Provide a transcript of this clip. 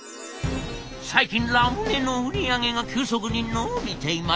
最近ラムネの売り上げが急速に伸びていまして。